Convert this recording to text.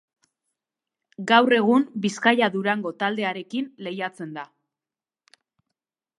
Gaur egun Bizkaia-Durango taldearekin lehiatzen da.